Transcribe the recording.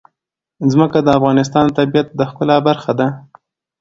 ځمکه د افغانستان د طبیعت د ښکلا برخه ده.